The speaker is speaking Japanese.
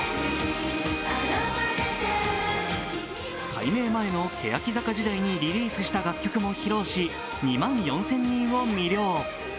改名前の欅坂時代にリリースした楽曲も披露し２万４０００人を魅了。